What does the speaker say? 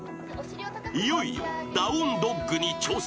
［いよいよダウンドッグに挑戦］